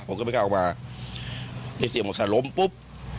ผมก็ไม่กล้าออกมาเสียงรถล้มปุ๊บ